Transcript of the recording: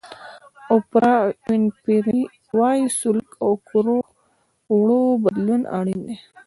اوپرا وینفري وایي سلوک او کړو وړو بدلون اړین دی.